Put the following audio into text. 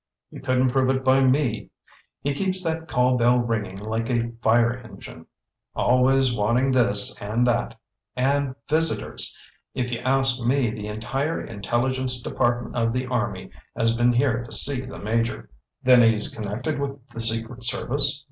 "You couldn't prove it by me. He keeps that call bell ringing like a fire engine! Always wanting this and that. And visitors! If you ask me, the entire Intelligence Department of the Army has been here to see the Major." "Then he's connected with the secret service?"